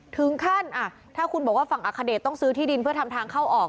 ถึงขั้นถ้าคุณบอกว่าฝั่งอัคเดชต้องซื้อที่ดินเพื่อทำทางเข้าออก